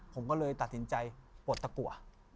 ผมก็เลยตัดสินใจปวดตะกัว